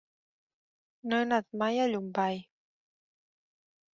No he anat mai a Llombai.